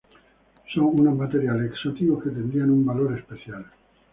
Son unos materiales exóticos que tendrían un valor especial.